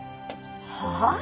はあ？